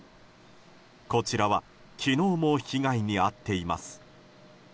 こちらは昨日も被害に遭っています。